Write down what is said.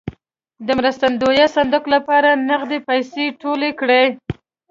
د مرستندویه صندوق لپاره نغدې پیسې ټولې کړې.